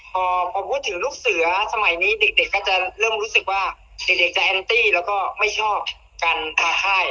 พอพูดถึงลูกเสือสมัยนี้เด็กก็จะเริ่มรู้สึกว่าเด็กจะแอนตี้แล้วก็ไม่ชอบการทาให้